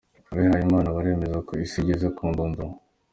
Abihaye Imana baremeza ko isi igeze ku ndunduro.